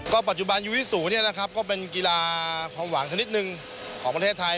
ปัจจุบันยูวิสูเนี่ยนะครับก็เป็นกีฬาความหวังชนิดหนึ่งของประเทศไทย